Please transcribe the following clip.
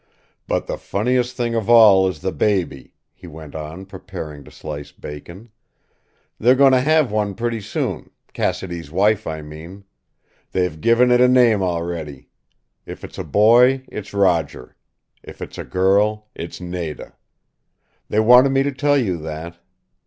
"But the funniest thing of all is the baby," he went on, preparing to slice bacon. "They're going to have one pretty soon Cassidy's wife, I mean. They've given it a name already. If it's a boy it's Roger if it's a girl it's Nada. They wanted me to tell you that.